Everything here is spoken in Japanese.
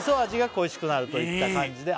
「恋しくなるといった感じで」いい！